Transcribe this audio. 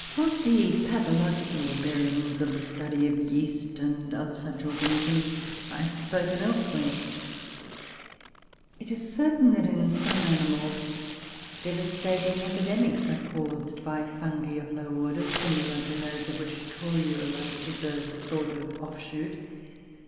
Of the pathological bearings of the study of yeast, and other such organisms, I have spoken elsewhere. It is certain that, in some animals, devastating epidemics are caused by fungi of low order similar to those of which Torula is a sort of offshoot.